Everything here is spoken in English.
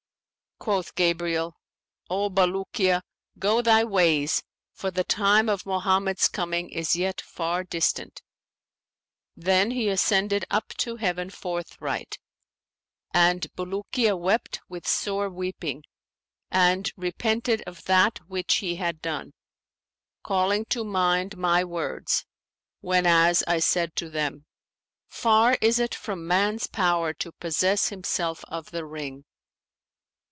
Quoth Gabriel, 'O Bulukiya, go thy ways, for the time of Mohammed's coming is yet far distant.' Then he ascended up to heaven forthright, and Bulukiya wept with sore weeping and repented of that which he had done, calling to mind my words, whenas I said to them, 'Far is it from man's power to possess himself of the ring.'